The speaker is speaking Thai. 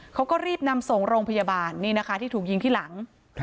เขาก็รีบนำส่งโรงพยาบาลนี่นะคะที่ถูกยิงที่หลัง